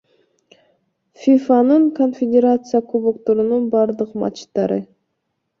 ФИФАнын Конфедерация кубокторунун бардык матчтары